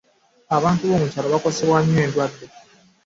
Abantu bo mu byalo bakosebwa nnyo endwadde .